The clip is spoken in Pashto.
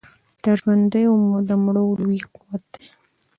تر ژوندیو مو د مړو لوی قوت دی